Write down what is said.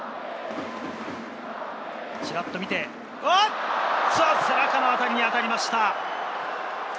ちらっと見て、背中の辺りに当たりました。